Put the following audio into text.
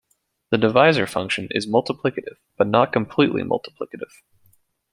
The divisor function is multiplicative, but not completely multiplicative.